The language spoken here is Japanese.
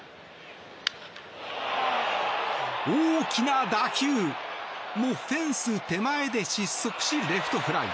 大きな打球もフェンス手前で失速し、レフトフライ。